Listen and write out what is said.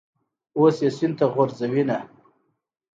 اوس یې سین ته غورځوینه.